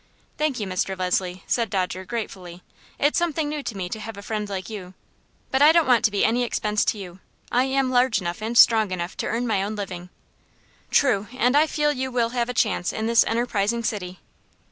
"Thank you, Mr. Leslie," said Dodger, gratefully. "It's something new to me to have a friend like you. But I don't want to be any expense to you. I am large enough and strong enough to earn my own living." "True; and I feel sure you will have a chance in this enterprising city."